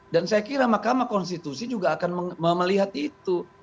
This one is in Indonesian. dan saya kira mahkamah konstitusi juga akan melihat itu